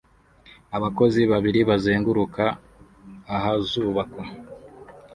Abakozi babiri bazenguruka ahazubakwa